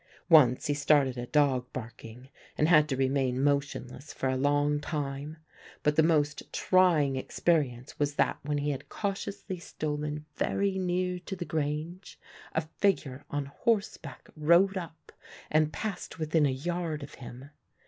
Once he started a dog barking and had to remain motionless for a long time, but the most trying experience was that when he had cautiously stolen very near to the grange, a figure on horseback rode up and passed within a yard of him.